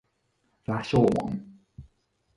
凱旋門